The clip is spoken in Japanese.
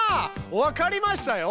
わかりましたよ。